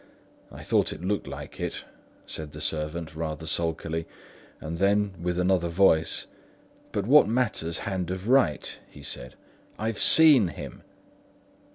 "I thought it looked like it," said the servant rather sulkily; and then, with another voice, "But what matters hand of write?" he said. "I've seen him!"